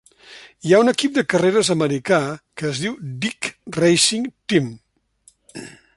Hi ha un equip de carreres americà que es diu Dig Racing Team.